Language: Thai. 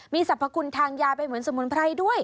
มีสรรพคุณทางยาไปเหมือนสมุนไพรด้วย